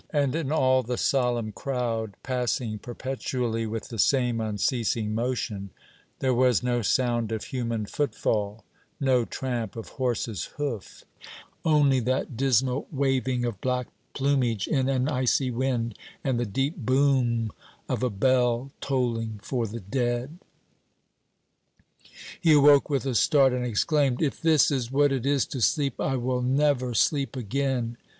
And in all the solemn crowd passing perpetually with the same unceasing motion, there was no sound of human footfall, no tramp of horse's hoof, only that dismal waving of black plumage in an icy wind, and the deep boom of a bell tolling for the dead. He awoke with a start, and exclaimed, "If this is what it is to sleep, I will never sleep again!"